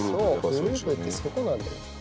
グループってそこなんだよ。